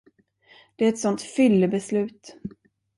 Det är ett sånt fyllebeslut.